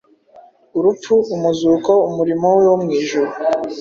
urupfu, umuzuko, umurimo we wo mu ijuru,